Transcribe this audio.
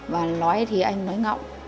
và nói thì anh nói ngọc